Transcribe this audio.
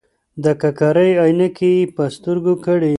د ککرۍ عینکې یې په سترګو کړې.